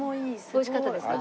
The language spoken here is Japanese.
美味しかったですか？